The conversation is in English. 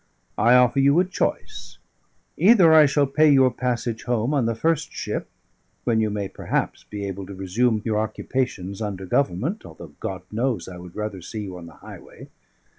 I offer you a choice. Either I shall pay your passage home on the first ship, when you may perhaps be able to resume your occupations under Government, although God knows I would rather see you on the highway!